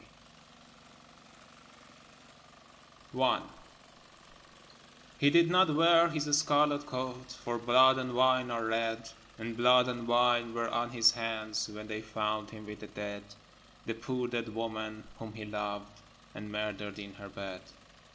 Y Z I HE did not wear his scarlet coat, For blood and wine are red, And blood and wine were on his hands When they found him with the dead, The poor dead woman whom he loved, And murdered in her bed.